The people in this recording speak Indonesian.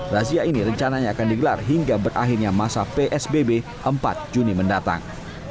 razia ini rencananya akan digelar hingga berakhirnya masa psbb empat juni mendatang